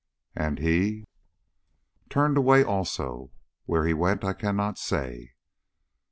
"And he?" "Turned away also. Where he went I cannot say."